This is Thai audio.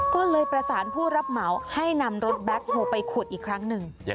ก็เลยประสานผู้รับเหมาให้นำรถแบ็คโฮลไปขุดอีกครั้งหนึ่ง